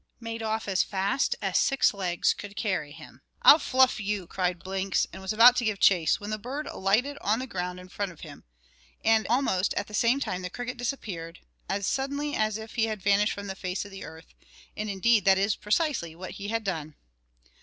made off as fast as six legs could carry him. "I'll fluff you," cried Blinks; and was about to give chase, when the bird alighted on the ground in front of him, and almost at the same time the cricket disappeared, as suddenly as if he had vanished from the face of the earth; and indeed that is precisely what he had done.